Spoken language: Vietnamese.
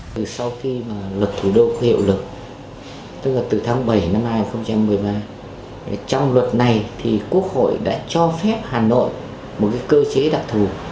từ sau khi lực thủ đô hiệu lực tức là từ tháng bảy năm hai nghìn một mươi ba trong luật này thì quốc hội đã cho phép hà nội một cơ chế đặc thù